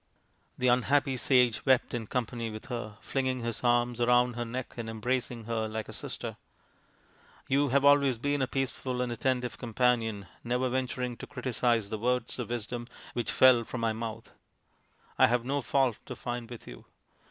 The unhappy sage wept in company with her, flinging his arms round her neck and embracing her like a sister. " You have always been a peace ful and attentive companion, never venturing to criticise the words of wisdom which fell from my mouth. I have no fault to find with you.